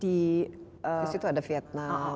di situ ada vietnam